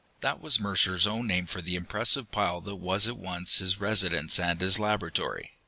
That was Mercer's own name for the impressive pile that was at once his residence and his laboratory.